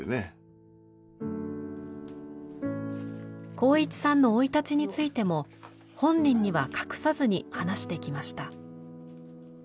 航一さんの生い立ちについても本人には隠さずに話してきました。